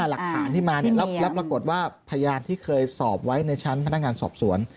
หลักฐานที่มาเนี่ยแล้วปรากฏว่าพยานที่เคยสอบไว้ในชั้นพนักงานสอบสวน